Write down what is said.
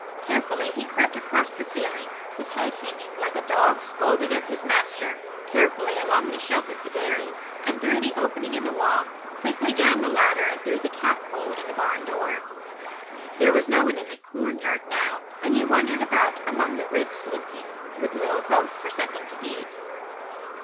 Carefully he crept across the ceiling, his head hanging, like a dog scolded of his master, carefully along the shelf of the dairy, and through the opening in the wall, quickly down the ladder, and through the cat hole in the barn door. There was no one in the corn yard now, and he wandered about among the ricks looking, with little hope, for something to eat.